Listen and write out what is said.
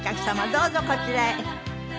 どうぞこちらへ。